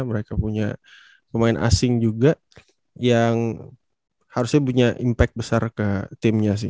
mereka punya pemain asing juga yang harusnya punya impact besar ke timnya sih